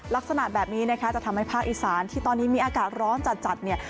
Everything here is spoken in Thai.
ลักษณะแบบนี้นะคะจะทำให้ภาคอีสานที่ตอนนี้มีอากาศร้อนจัดจัดเนี่ย